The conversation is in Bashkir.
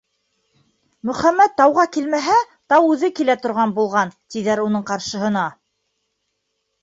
Мөхәммәт тауға килмәһә, тау үҙе килә торған булған тиҙәр уның ҡаршыһына.